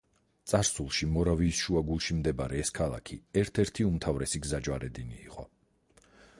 წარსულში, მორავიის შუაგულში მდებარე ეს ქალაქი ერთ-ერთი უმთავრესი გზაჯვარედინი იყო.